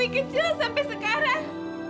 kecil sampe sekarang